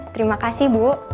terima kasih bu